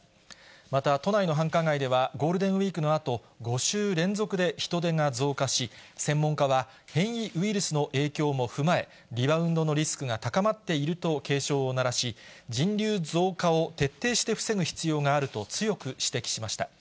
また、都内の繁華街ではゴールデンウィークのあと５週連続で人出が増加し、専門家は変異ウイルスの影響も踏まえ、リバウンドのリスクが高まっていると警鐘を鳴らし、人流増加を徹底して防ぐ必要があると強く指摘しました。